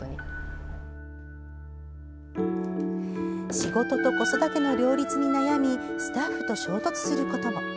仕事と子育ての両立に悩みスタッフと衝突することも。